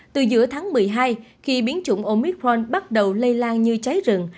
từ giữa tháng một mươi hai khi biến chủng omitforn bắt đầu lây lan như cháy rừng